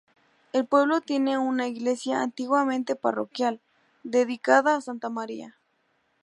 El pueblo tiene una iglesia, antiguamente parroquial, dedicada a santa María.